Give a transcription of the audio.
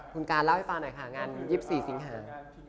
คุณการเล่าให้ฟังหน่อยค่ะงาน๒๔สิงหา